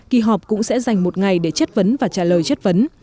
kỳ họp cũng sẽ dành một ngày để chất vấn và trả lời chất vấn